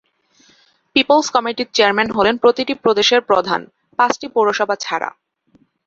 People's কমিটির chairman হলেন প্রতিটি প্রদেশের প্রধান, পাঁচটি পৌরসভা ছাড়া।